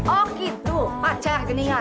oh gitu pacar geningan